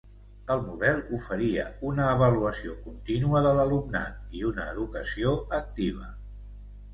El model oferia una avaluació contínua de l'alumnat i una educació activa.